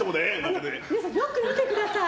皆さんよく見てください。